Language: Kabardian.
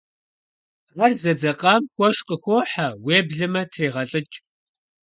Ар зэдзэкъам хуэш къыхохьэ, уеблэмэ трегъэлIыкI.